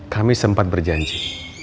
kami sempat berjanji